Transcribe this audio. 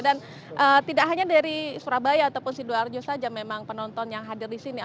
dan tidak hanya dari surabaya ataupun sidoarjo saja memang penonton yang hadir di sini